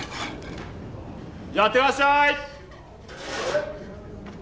やってがっしゃい。